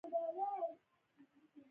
د ترکیې سلطان به حتما لیکلي وای.